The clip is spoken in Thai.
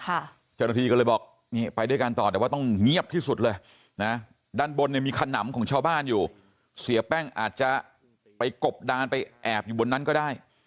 เจ้าหน้าที่ก็เลยบอกนี่ไปด้วยกันต่อแต่ว่าต้องเงียบที่สุดเลยนะด้านบนเนี่ยมีขนำของชาวบ้านอยู่เสียแป้งอาจจะไปกบดานไปแอบอยู่บนนั้นก็ได้